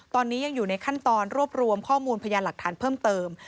ตอนนี้ยังอยู่ในขั้นตอนรวบรวมข้อมูลพยานหลักฐานเพิ่มเติม